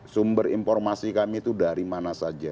sumber informasi kami itu dari mana saja